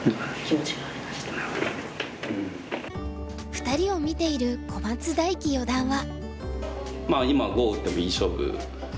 ２人を見ている小松大樹四段は。